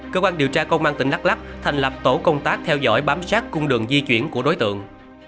cơ quan điều tra công an tỉnh đắk lắc thành lập tổ công tác theo dõi bám sát cung đường di chuyển của đối tượng